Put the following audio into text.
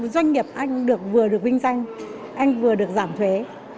doanh nghiệp anh được vừa được vinh danh anh vừa được giảm thuế